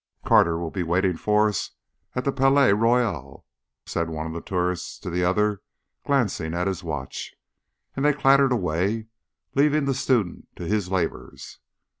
"Carter will be waiting for us at the Palais Royal," said one tourist to the other, glancing at his watch, and they clattered away, leaving the student to his labours.